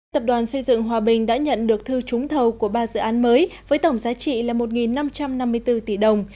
tập đoàn xây dựng hòa bình đã nhận được thư trúng thầu của ba dự án mới với tổng giá trị là một năm trăm năm mươi bốn tỷ đồng